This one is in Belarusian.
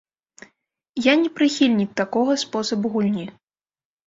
Я не прыхільнік такога спосабу гульні.